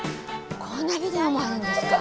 こんなビデオもあるんですか？